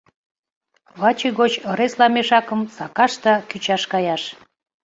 Ваче гоч ыресла мешакым сакаш да кӱчаш каяш.